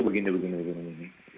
tentu begini begini begini